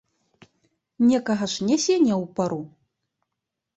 Некага ж нясе не ў пару.